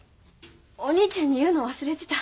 お兄ちゃんに言うの忘れてた。